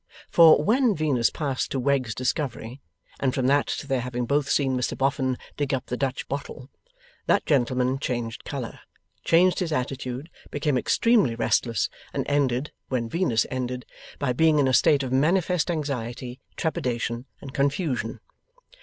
For, when Venus passed to Wegg's discovery, and from that to their having both seen Mr Boffin dig up the Dutch bottle, that gentleman changed colour, changed his attitude, became extremely restless, and ended (when Venus ended) by being in a state of manifest anxiety, trepidation, and confusion.